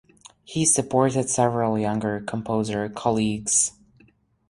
He supported several younger composer colleagues.